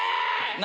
何？